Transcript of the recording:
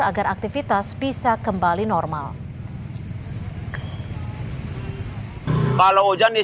agar aktivitas bisa kembali normal